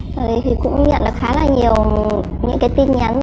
thì cũng nhận được khá là nhiều những tin nhắn